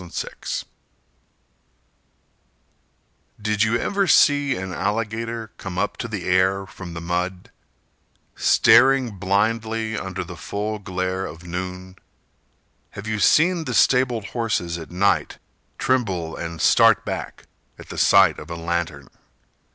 — Arlo Will Did you ever see an alligator Come up to the air from the mud, Staring blindly under the full glare of noon? Have you seen the stabled horses at night Tremble and start back at the sight of a lantern?